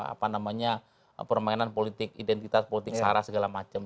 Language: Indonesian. apa namanya permainan politik identitas politik sara segala macam